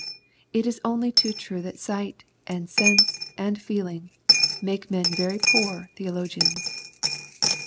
It is only too true that sight, and sense, and feeling, make men very poor theologians.